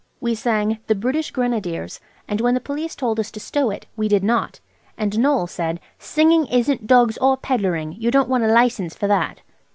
We sang "The British Grenadiers," and when the Police told us to stow it we did not. And Noël said– "Singing isn't dogs or pedlaring. You don't want a license for that."